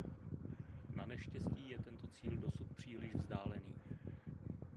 Naneštěstí je tento cíl dosud příliš vzdálený.